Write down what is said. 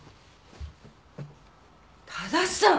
多田さん！